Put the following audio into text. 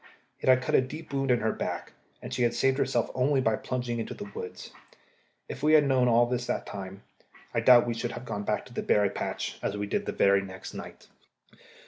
It had cut a deep wound in her neck, and she had saved herself only by plunging into the woods. If we had known all this at the time, I doubt if we should have gone back to the berry patch as we did on the very next night.